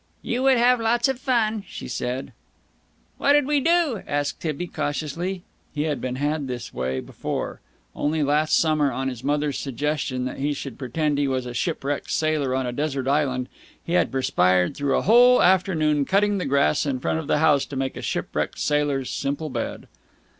"You would have lots of fun," she said. "What'ud we do?" asked Tibby cautiously. He had been had this way before. Only last summer, on his mother's suggestion that he should pretend he was a shipwrecked sailor on a desert island, he had perspired through a whole afternoon cutting the grass in front of the house to make a shipwrecked sailor's simple bed.